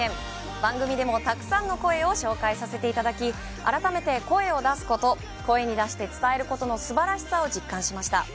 番組でもたくさんの声を紹介させていただき、改めて声を出すこと、声に出して伝えることのすばらしさを実感しました。